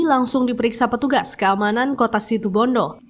langsung diperiksa petugas keamanan kota situ bondo